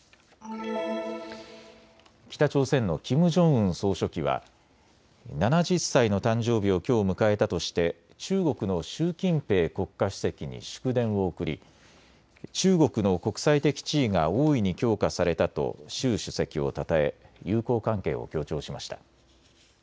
北朝鮮のキム・ジョンウン総書記は７０歳の誕生日をきょう迎えたとして中国の習近平国家主席に祝電を送り中国の国際的地位が大いに強化されたと習主席をたたえ友好関係を強調しました。